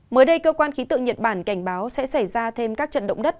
mới đây cơ quan khí tượng nhật bản cảnh báo sẽ xảy ra thêm các trận động đất